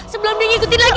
sebelum dia ngikutin lagi